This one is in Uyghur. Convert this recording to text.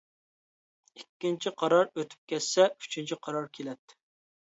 ئىككىنچى قارار ئۆتۈپ كەتسە، ئۈچىنچى قارار كېلەتتى.